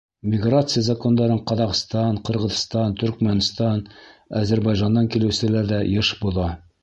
Миграция закондарын Ҡаҙағстан, Ҡырғыҙстан, Төркмәнстан, Азербайжандан килеүселәр ҙә йыш боҙа.